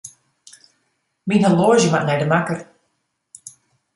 Myn horloazje moat nei de makker.